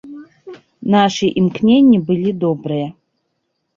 Нашы імкненні былі добрыя.